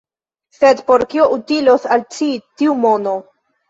Sed por kio utilos al ci tiu mono?